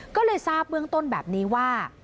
ก็เลยทราบเบื้องต้นแบบนี้ว่า